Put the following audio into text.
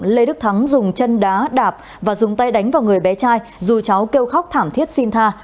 lê đức thắng dùng chân đá đạp và dùng tay đánh vào người bé trai dù cháu kêu khóc thảm thiết xin tha